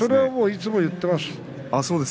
いつも言っています。